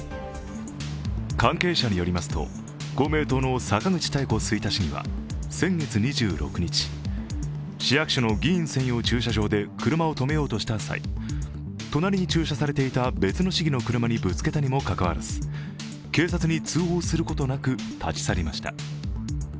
関係者によりますと、公明党の坂口妙子吹田市議は先月２６日、市役所の議員専用駐車場で車をとめようとした際隣に駐車されていた別の市議の車にぶつけたにもかかわらず警察に通報することなく、立ち去りました。